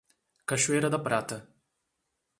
Cachoeira da Prata